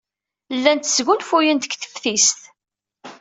Llant sgunfuyent deg teftist.